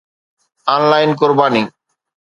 on line قرباني